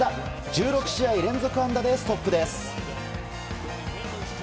１６試合連続安打でストップです。